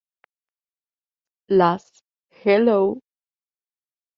Las Hello!